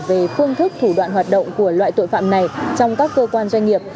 về phương thức thủ đoạn hoạt động của loại tội phạm này trong các cơ quan doanh nghiệp